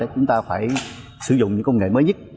chúng ta phải sử dụng những công nghệ mới nhất